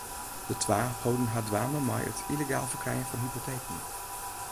De twa holden har dwaande mei it yllegaal ferkrijen fan hypoteken.